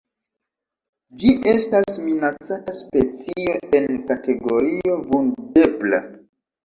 Ĝi estas minacata specio en kategorio Vundebla.